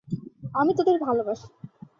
আমি তোদের ভালোবাসি।